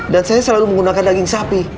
saya selalu menggunakan daging sapi